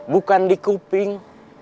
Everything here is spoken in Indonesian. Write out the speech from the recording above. bukan di kuping